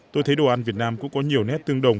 tôi thấy đồ ăn việt nam cũng có nhiều nét tương đồng